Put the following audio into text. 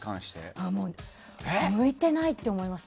何が向いてない？